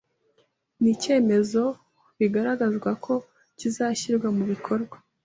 Ni cyemezo bigaragazwa ko kizashyirwa mu bikorwa